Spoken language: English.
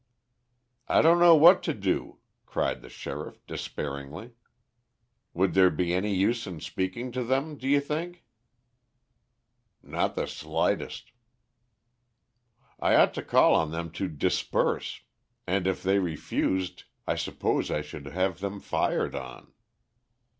"I don't know what to do," cried the sheriff, despairingly. "Would there be any use in speaking to them, do you think?" "Not the slightest." "I ought to call on them to disperse, and if they refused I suppose I should have them fired on."